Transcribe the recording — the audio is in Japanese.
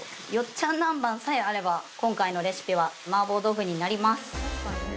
ちゃんなんばんさえあれば今回のレシピは麻婆豆腐になります。